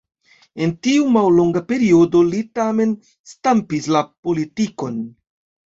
En tiu mallonga periodo li tamen stampis la politikon.